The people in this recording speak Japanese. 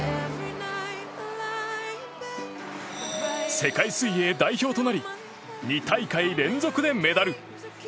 世界水泳代表となり２大会連続でメダル。